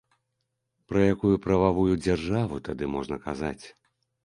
Пра якую прававую дзяржаву тады можна казаць?